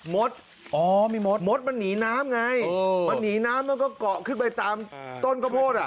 มดอ๋อมีมดมดมันหนีน้ำไงมันหนีน้ำแล้วก็เกาะขึ้นไปตามต้นข้าวโพดอ่ะ